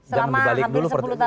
selama hampir sepuluh tahun